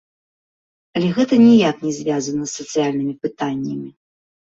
Але гэта ніяк не звязана з сацыяльнымі пытаннямі.